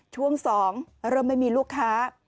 ช่วง๒เริ่มไม่มีลูกค้า